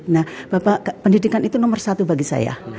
nah bapak pendidikan itu nomor satu bagi saya